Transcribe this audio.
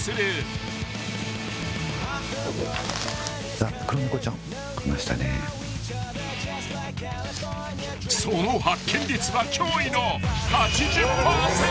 ［その発見率は驚異の８０％］